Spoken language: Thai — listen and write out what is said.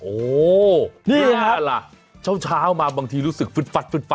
โอ้โหนี่ฮะล่ะเช้ามาบางทีรู้สึกฟึดฟัดฟึด